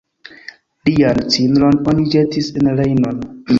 Lian cindron oni ĵetis en Rejnon.